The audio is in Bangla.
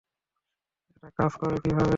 এটা কাজ করে কীভাবে?